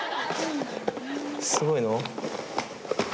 すごいの？